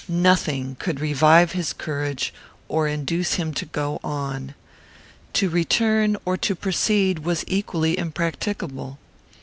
Nothing could revive his courage or induce him to go on. To return or to proceed was equally impracticable.